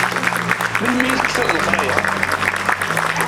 Melmi i tekfiḍ leqraya?